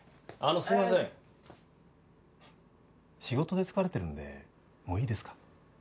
仕事で疲れてるんでもういいですか？